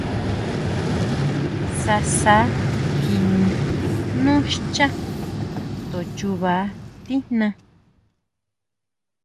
Sasa kini nú xchá, to chuba tijna.